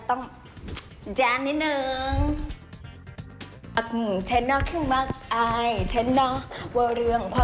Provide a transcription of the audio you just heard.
ต้องแจ้งนิดหนึ่ง